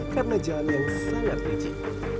karena jalan yang sangat licik